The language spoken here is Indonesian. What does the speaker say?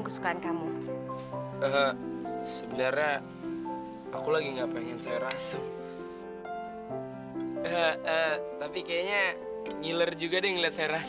masa kamu biarin kayak gitu aja sih